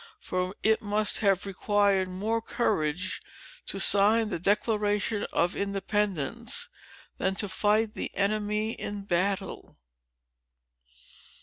For it must have required more courage to sign the Declaration of Independence, than to fight the enemy in battle."